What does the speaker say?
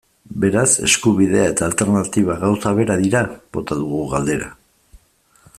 Beraz, eskubidea eta alternatiba gauza bera dira?, bota dugu galdera.